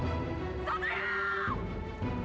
buat aku semua nih